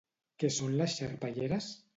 Què són les Xarpelleres?